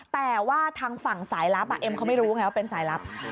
แต่ว่าทางฝั่งสายลับเอ็มเขาไม่รู้ไงว่าเป็นสายลับ